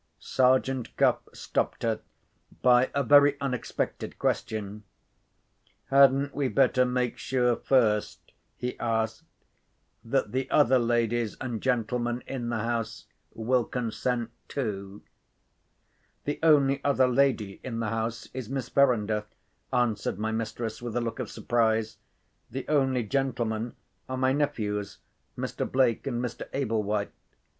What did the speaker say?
Sergeant Cuff stopped her by a very unexpected question. "Hadn't we better make sure first," he asked, "that the other ladies and gentlemen in the house will consent, too?" "The only other lady in the house is Miss Verinder," answered my mistress, with a look of surprise. "The only gentlemen are my nephews, Mr. Blake and Mr. Ablewhite.